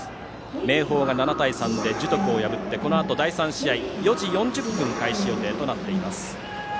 明豊が７対３で樹徳を破ってこのあと第３試合は４時４０分開始予定となっています。